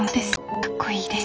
かっこいいです。